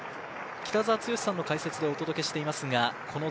北澤豪さんの解説でお届けしています。